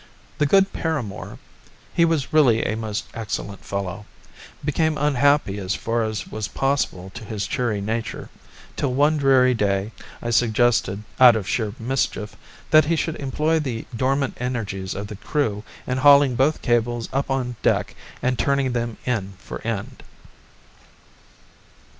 The good Paramor he was really a most excellent fellow became unhappy as far as was possible to his cheery nature, till one dreary day I suggested, out of sheer mischief, that he should employ the dormant energies of the crew in hauling both cables up on deck and turning them end for end.